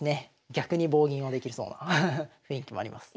逆に棒銀をできそうな雰囲気もあります。